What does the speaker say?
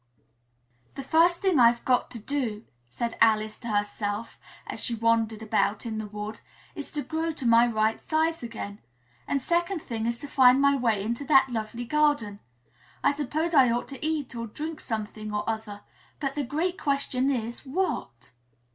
"] "The first thing I've got to do," said Alice to herself, as she wandered about in the wood, "is to grow to my right size again; and the second thing is to find my way into that lovely garden. I suppose I ought to eat or drink something or other, but the great question is 'What?'"